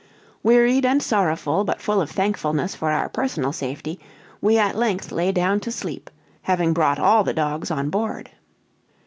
Wearied and sorrowful, but full of thankfulness for our personal safety, we at length lay down to sleep, having brought all the dogs on board.